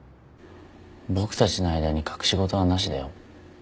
僕たちの間に隠し事はなしだよ。